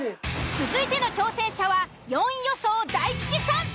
続いての挑戦者は４位予想大吉さん。